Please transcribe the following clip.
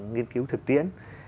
nghiên cứu thực tiễn